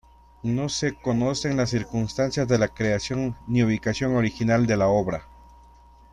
No se conocen las circunstancias de la creación ni ubicación original de la obra.